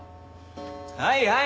はいはい！